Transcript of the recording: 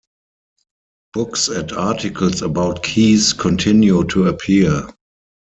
Books and articles about Kees continue to appear.